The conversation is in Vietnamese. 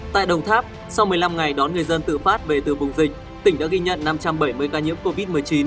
tại đồng tháp sau một mươi năm ngày đón người dân tự phát về từ vùng dịch tỉnh đã ghi nhận năm trăm bảy mươi ca nhiễm covid một mươi chín